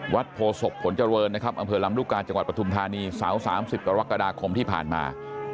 วัดโพศกฝนเจริญนะครับอำเภอลำลูกกาลจังหวัดประถุมธานีสาว๓๐กระวักษณ์กระดาคมที่ผ่านมา